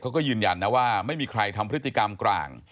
เขาก็ยืนยันนะว่าไม่มีใครทำพฤติกรรมกลาง